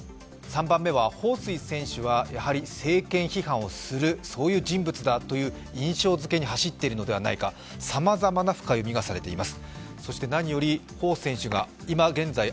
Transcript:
彭帥選手はやはり政権批判をする人物だという印象づけに走っているのではないかさまざまな深読みがされています。